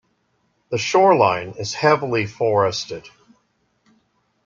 The shoreline is heavily forested.